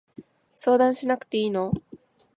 相談しなくていいの？